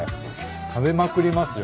食べまくりますよ。